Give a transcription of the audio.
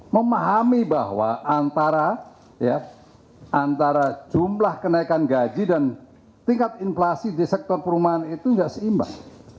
memahami bahwa antara jumlah kenaikan gaji dan tingkat inflasi di sektor perumahan itu tidak seimbang